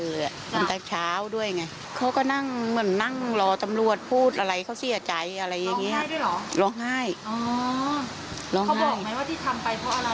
ร้องไห้ด้วยเหรอร้องไห้เขาบอกไหมว่าที่ทำไปเพราะอะไร